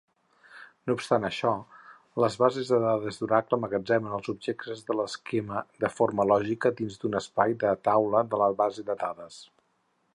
No obstant això, les bases de dades d'Oracle emmagatzemen els objectes de l'esquema de forma lògica dins d'un espai de taula de la base de dades.